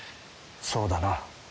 そうだな。